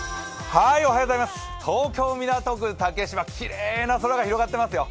東京・港区竹芝、きれいな空が広がっていますよ。